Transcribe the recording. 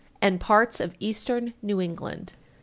and parts of Eastern New England.